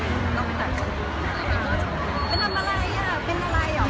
เราก็ลองมารวมลูกจะทำยังไงให้ราย